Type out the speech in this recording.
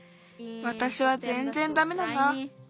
わたしはぜんぜんダメだな。